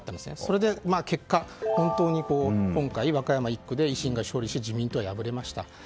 その結果本当に今回、和歌山１区で維新が勝利し自民党が破れました。